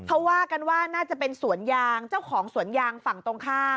เขาว่ากันว่าน่าจะเป็นสวนยางเจ้าของสวนยางฝั่งตรงข้าม